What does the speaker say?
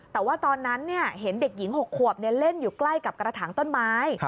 แต่ว่าตอนนั้นเห็นเด็กหญิง๖ขวบเล่นอยู่ใกล้กับกระถางต้นไม้